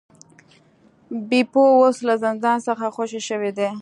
بیپو اوس له زندان څخه خوشې شوی دی.